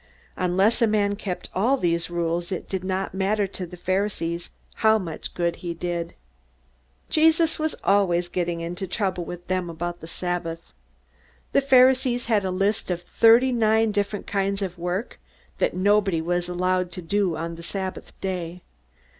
Unless a man kept all these rules, it did not matter to the Pharisees how much good he did. Jesus was always getting into trouble with them about the Sabbath. The Pharisees had a list of thirty nine different kinds of work that nobody was allowed to do on the Sabbath Day.